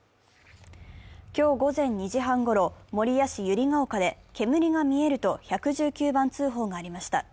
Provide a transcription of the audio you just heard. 今日午前２時半ごろ、守谷市百合ケ丘で、煙が見えると１１９番通報がありました。